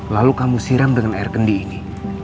lalu kamu siram dengan air kendi ini